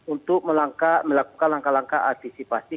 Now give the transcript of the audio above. untuk melakukan langkah langkah antisipasi